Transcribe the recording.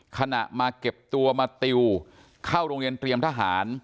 ขณะมาเก็บตัวมาติวเข้าโรงเรียนเตรียมทหาร